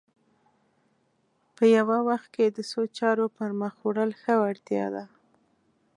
په یوه وخت کې د څو چارو پر مخ وړل ښه وړتیا ده